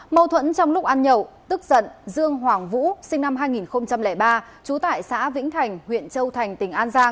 mâu thuẫn trong lúc ăn nhậu tức giận dương hoàng vũ sinh năm hai nghìn ba trú tại xã vĩnh thành huyện châu thành tỉnh an giang